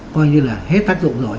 coi như là hết tác dụng rồi